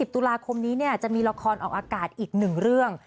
ตุลาคมนี้จะมีละครออกอากาศอีก๑เรื่อง